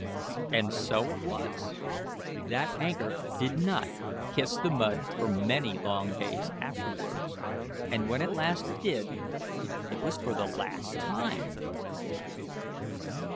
And so it was. That anchor did not "kiss the mud" for many long days afterwards; and when at last it did, it was for the last time!